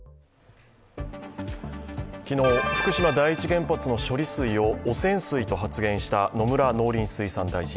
昨日、福島第一原発の処理水を汚染水と発言した野村農林水産大臣。